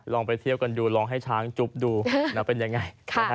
ไปเที่ยวกันดูลองให้ช้างจุ๊บดูเป็นยังไง